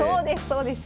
そうです